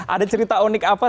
ada cerita unik apa